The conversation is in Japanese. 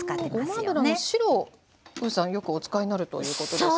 ごま油の白をウーさんよくお使いになるということですが。